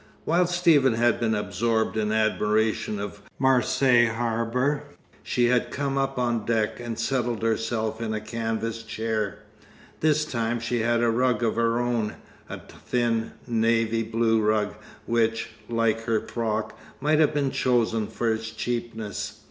While Stephen had been absorbed in admiration of Marseilles harbour, she had come up on deck, and settled herself in a canvas chair. This time she had a rug of her own, a thin navy blue rug which, like her frock, might have been chosen for its cheapness.